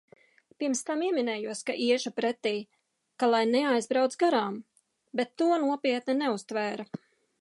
Pirms tam ieminējos, ka iešu pretī, ka lai neaizbrauc garām, bet to nopietni neuztvēra.